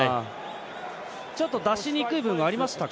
ちょっと出しにくい部分ありましたか。